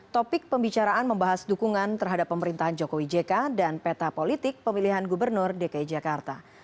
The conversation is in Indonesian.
topik pembicaraan membahas dukungan terhadap pemerintahan jokowi jk dan peta politik pemilihan gubernur dki jakarta